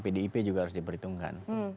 pdip juga harus diperhitungkan